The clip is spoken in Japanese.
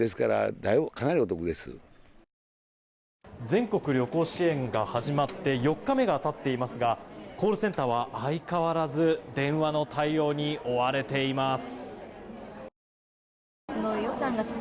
全国旅行支援が始まって４日目が経っていますがコールセンターは、相変わらず電話の対応に追われています。